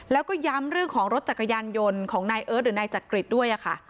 แล้วก็ย้ำเรื่องของรถจักรยานยนต์ของนายเอิร์ทหรือนายจักริตด้วยค่ะ